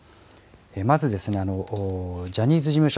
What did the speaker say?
まず、ジャニーズ事務所。